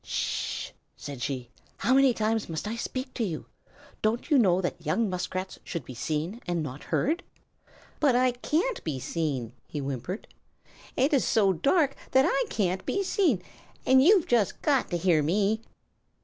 "Sh h h!" said she. "How many times must I speak to you? Don't you know that young Muskrats should be seen and not heard?" "But I can't be seen," he whimpered. "It is so dark that I can't be seen, and you've just got to hear me."